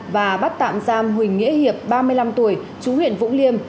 và bắt tạm giam huỳnh nghĩa hiệp ba mươi năm tuổi chú huyện vũng liêm